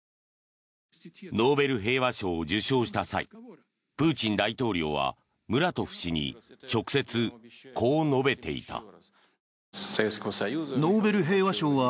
ノーベル平和賞を受賞した際プーチン大統領はムラトフ氏に直接こう述べていた。